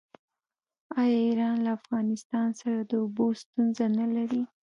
آیا ایران له افغانستان سره د اوبو ستونزه نلري؟